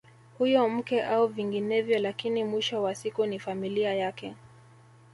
Huyo mke au vinginevyo lakini mwisho wa siku ni familia yake